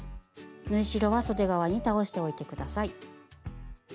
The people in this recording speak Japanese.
縫い代はそで側に倒しておいて下さい。